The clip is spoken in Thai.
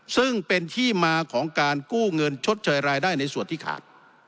ซึ่งเป็นที่มาของการกู้เงินชดเชยรายได้ในส่วนที่ขาด